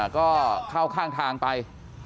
ก็เข้าข้างทางไป